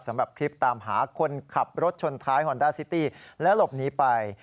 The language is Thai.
สำหรับคลิปตามหาคนขับรถชนท้ายฮอนด้าซิตี้และหลบหนีไป